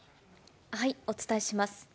お伝えします。